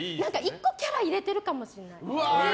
１個、キャラを入れてるかもしれない。